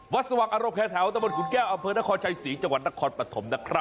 วัดสวัสดิ์อารมณ์แท้แถวธมศคุณแก้วอำเภอนครชัยศรีจังหวัดนครปรรถม